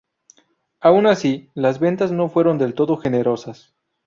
Aun así, las ventas no fueron del todo generosas.